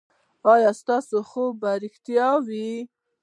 ایا ستاسو خوب به ریښتیا وي؟